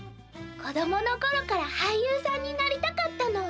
「子どものころからはいゆうさんになりたかったの。